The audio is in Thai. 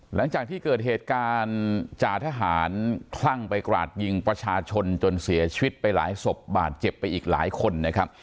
หลังจากที่เกิดเหตุการณ์จ่าทหารคลั่งไปกราดยิงประชาชนจนเสียชีวิตไปหลายศพบาดเจ็บไปอีกหลายคนนะครับ